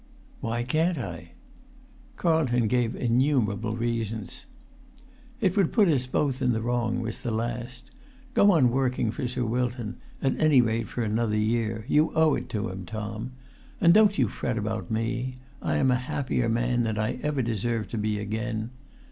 "Why can't I?" Carlton gave innumerable reasons. "It would put us both in the wrong," was the last. "Go on working for Sir Wilton—at any rate for another year. You owe it to him, Tom. And don't you fret about me; I am a happier man than I ever deserved to be again.